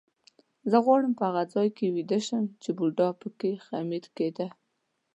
زه غواړم په هغه ځای کې ویده شم چې بوډا به پکې خمیر کېده.